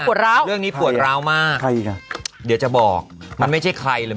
ร้าวเรื่องนี้ปวดร้าวมากใครอีกอ่ะเดี๋ยวจะบอกมันไม่ใช่ใครหรือ